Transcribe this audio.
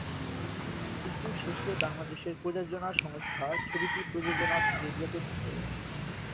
কিন্তু শেষে বাংলাদেশের প্রযোজনা সংস্থা ছবিটি প্রযোজনা থেকে বিরত থাকে।